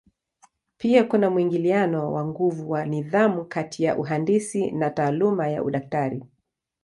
Pia kuna mwingiliano wa nguvu wa nidhamu kati ya uhandisi na taaluma ya udaktari.